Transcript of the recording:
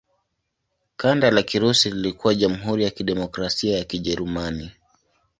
Kanda la Kirusi lilikuwa Jamhuri ya Kidemokrasia ya Kijerumani.